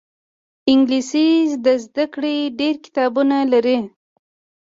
انګلیسي د زده کړې ډېر کتابونه لري